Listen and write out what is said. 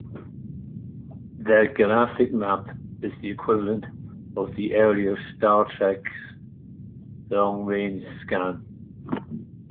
The Galactic Map is the equivalent of the earlier "Star Trek"'s Long Range Scan.